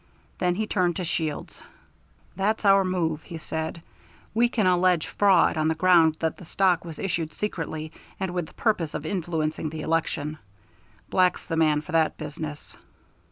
Then he turned to Shields. "That's our move," he said. "We can allege fraud on the ground that the stock was issued secretly and with the purpose of influencing the election. Black's the man for that business."